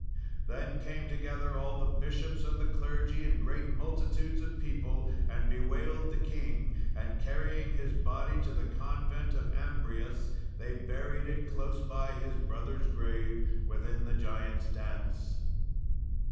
Then came together all the bishops and the clergy, and great multitudes of people, and bewailed the king; and carrying his body to the convent of Ambrius, they buried it close by his brother's grave, within the "Giants' Dance."